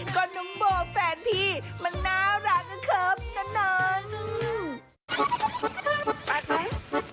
ก็นุ้งโบ่แฟนพี่มันน่ารักนะครับน้าหน่อย